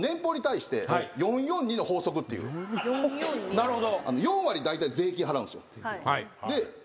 なるほど。